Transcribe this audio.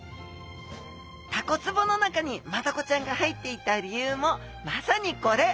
タコ壺の中にマダコちゃんが入っていた理由もまさにこれ！